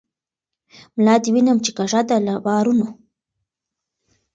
ملا دي وینم چی کږه ده له بارونو